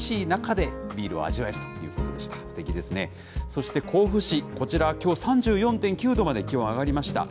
そして甲府市、こちらはきょう３４．９度まで気温上がりました。